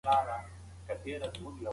د میوو وچول د هغوی د ساتنې ښه لاره ده.